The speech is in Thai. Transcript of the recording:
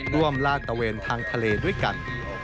ร่วมราตเตอร์เวนทางทะเลด้วยกัน